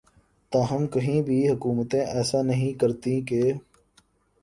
تاہم کہیں بھی حکومتیں ایسا نہیں کرتیں کہ